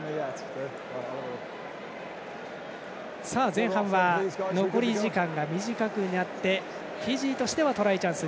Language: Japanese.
前半は残り時間が短くなってフィジーとしてはトライチャンス。